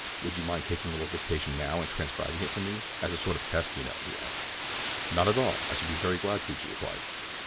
"Would you mind taking a little dictation now and transcribing it for me, as a sort of test, you know?" he asked. "Not at all; I should be very glad to," she replied.